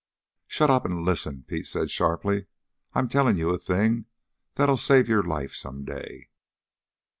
"Shut up and listen!" Pete said sharply. "I'm telling you a thing that'll save your life some day!"